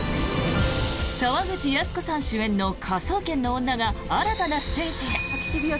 沢口靖子さん主演の「科捜研の女」が新たなステージへ。